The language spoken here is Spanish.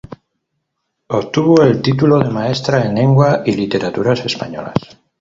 Obtuvo el título de maestra en Lengua y Literaturas Españolas.